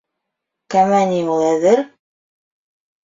- Кәмә ни ул әҙер!